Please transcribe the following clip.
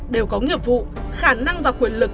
đều có nghiệp vụ khả năng và quyền lực